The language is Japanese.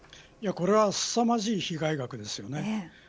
これはすさまじい被害額ですよね。